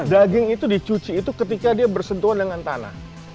daging itu dicuci itu ketika dia bersentuhan dengan tanah